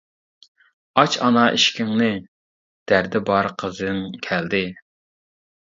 ئاچ ئانا ئىشىكىڭنى، دەردى بار قىزىڭ كەلدى.